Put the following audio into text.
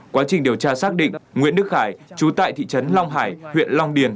quá trình điều tra xác định nguyễn đức khải chú tại thị trấn long hải huyện long điền